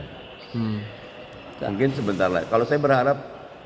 mungkin sebentar lagi kalau saya berharap